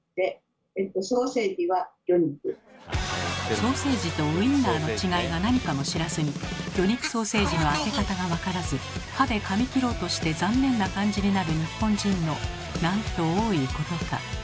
ソーセージとウインナーの違いが何かも知らずに魚肉ソーセージの開け方が分からず歯でかみ切ろうとして残念な感じになる日本人のなんと多いことか。